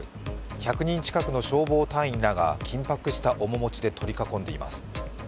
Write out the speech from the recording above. １００人近くの消防隊員らが緊迫した面持ちで取り囲んでいます。